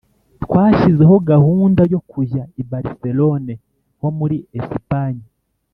twashyizeho gahunda yo kujya i Barcelone ho muri Esipanye